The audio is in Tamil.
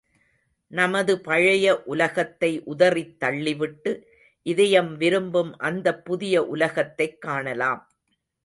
நமது பழைய உலகத்தை உதறித் தள்ளிவிட்டு, இதயம் விரும்பும் அந்தப் புதிய உலகத்தைக் காணலாம்.